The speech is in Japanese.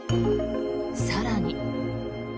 更に。